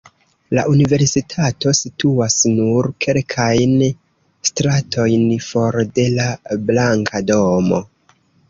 La universitato situas nur kelkajn stratojn for de la Blanka Domo.